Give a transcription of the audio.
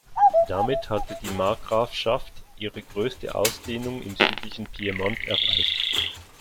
Damit hatte die Markgrafschaft ihre größte Ausdehnung im südlichen Piemont erreicht.